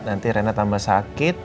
nanti rena tambah sakit